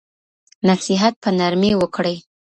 نصیحت په نرمۍ وکړئ.